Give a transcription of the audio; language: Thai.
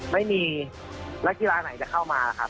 ไม่มีนักกีฬาไหนจะเข้ามาครับ